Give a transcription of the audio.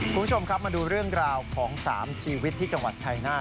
คุณผู้ชมครับมาดูเรื่องราวของ๓ชีวิตที่จังหวัดชายนาฏ